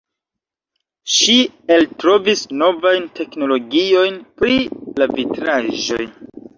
Ŝi eltrovis novajn teknologiojn pri la vitraĵoj.